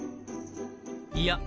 いや。